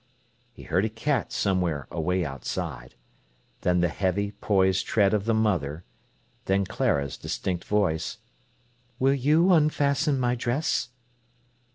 He heard a cat somewhere away outside; then the heavy, poised tread of the mother; then Clara's distinct voice: "Will you unfasten my dress?"